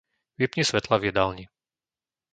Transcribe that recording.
Vypni svetlá v jedálni.